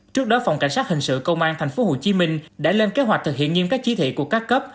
trước đó phòng cảnh sát hình sự công an tp hcm đã lên kế hoạch thực hiện nghiêm các chí thị của các cấp